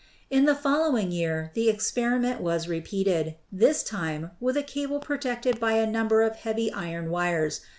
In the following year the experiment was repeated, this time with a cable protected by a number of heavy iron wires.